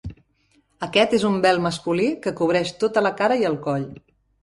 Aquest és un vel masculí que cobreix tota la cara i el coll.